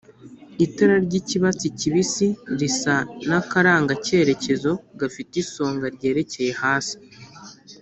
itara ry'icyatsi kibisi risa n'akarangacyerekezo gafite isonga ryerekeye hasi